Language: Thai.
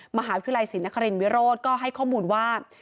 มหาวิทยาลัยศรีนครินวิโรธก็ให้ข้อมูลว่า